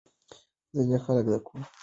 ځینې خلک د هغه کورنۍ ته درناوی لري.